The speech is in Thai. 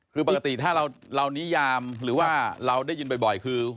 คือปกติถ้าเรานิยามหรือว่าเราได้ยินบ่อยคือ